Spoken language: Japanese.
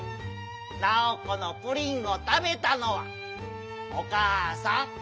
ナオコのプリンをたべたのはお母さん！